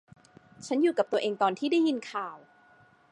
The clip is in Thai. ฉันอยู่กับตัวเองตอนที่ได้ยินข่าว